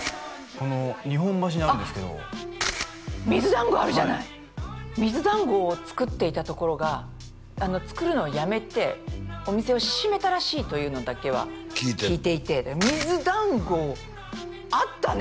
日本橋にあるんですけどあっ水だんごあるじゃないはい水だんごを作っていた所が作るのをやめてお店を閉めたらしいというのだけは聞いていて水だんごあったね！